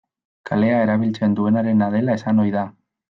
Kalea erabiltzen duenarena dela esan ohi da.